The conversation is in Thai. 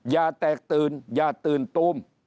อย่าแตกตื่นอย่าตื่นตูม